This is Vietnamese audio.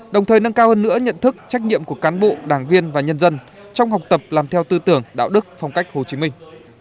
đồng thời nâng cao hơn nữa nhận thức trách nhiệm của cán bộ đảng viên và nhân dân trong học tập làm theo tư tưởng đạo đức phong cách hồ chí minh